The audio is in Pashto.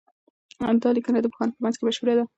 دا لیکنه د پوهانو په منځ کي مشهوره ده.